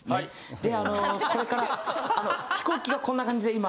であのこれから飛行機がこんな感じで今。